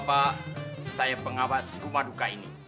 bapak saya pengawas rumah duka ini